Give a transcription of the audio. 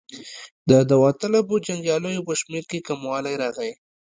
د داوطلبو جنګیالیو په شمېر کې کموالی راغی.